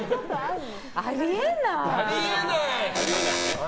あり得ない。